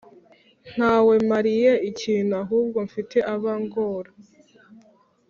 ntawe mariye ikintu ahubwo mfite aba ngora